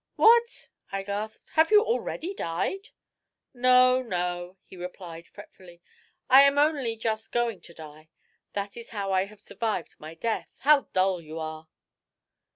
"What!" I gasped. "Have you already died?" "No, no," he replied fretfully; "I am only just going to die. That is how I have survived my death. How dull you are!"